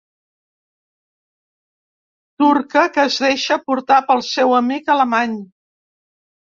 Turca que es deixa portar pel seu amic alemany.